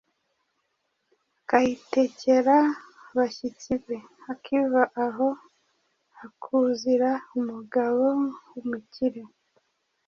akayitekera abashyitsi be. Akiva aho hakuzira umugabo w’umukire